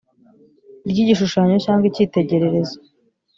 ry igishushanyo cyangwa icyitegererezo